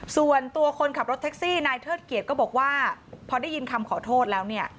ส่วนตัวคนขับรถแท็กซี่นายเทิดเกียจก็บอกว่าพอได้ยินคำขอโทษแล้วเนี่ย